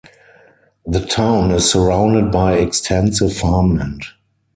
The town is surrounded by extensive farmland.